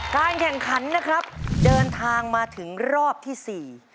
การแข่งขันนะครับเดินทางมาถึงรอบที่สี่